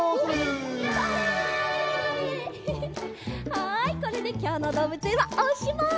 はいこれできょうのどうぶつえんはおしまい。